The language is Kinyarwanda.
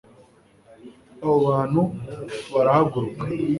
abo bantu barahaguruka